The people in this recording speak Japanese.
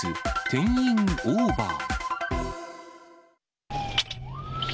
定員オーバー。